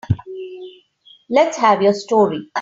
Let's have your story.